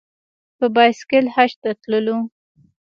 په بایسکل حج ته تللو.